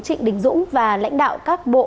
trịnh đình dũng và lãnh đạo các bộ